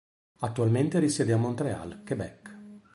Attualmente risiede a Montréal, Québec.